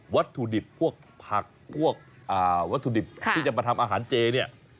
วัตถุดิบพวกผักพวกวัตถุดิบที่จะมาทำอาหารเจเนี่ย